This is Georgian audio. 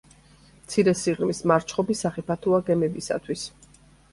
მცირე სიღრმის მარჩხობი სახიფათოა გემებისათვის.